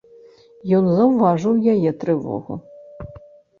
Ён заўважыў яе трывогу.